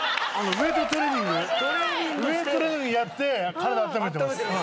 ウエイトトレーニングやって体あっためてます。